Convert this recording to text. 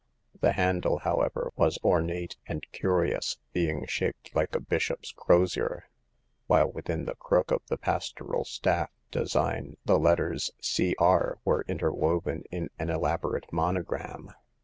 The handle, however, was ornate and curious, being shaped like a bishop's crozier, w^hile within the crook of the pastoral staff design the letters C. R." were interwoven in an elaborate monogram.